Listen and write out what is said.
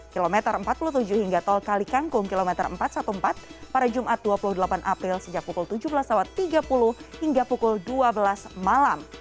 kilometer empat puluh tujuh hingga tol kalikangkung kilometer empat ratus empat belas pada jumat dua puluh delapan april sejak pukul tujuh belas tiga puluh hingga pukul dua belas malam